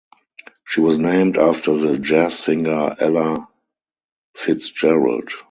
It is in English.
She was named after the jazz singer Ella Fitzgerald.